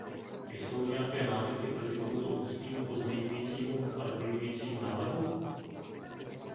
Jsou nějaké námitky proti tomuto ústnímu pozměňujícímu a doplňujícímu návrhu?